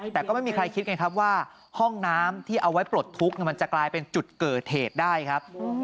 แต่ก็ไม่มีใครคิดไงครับว่าห้องน้ำที่เอาไว้ปลดทุกข์มันจะกลายเป็นจุดเกิดเหตุได้ครับ